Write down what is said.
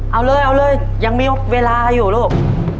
เอาเลยเอาเลยยังมีเวลาอยู่ลูก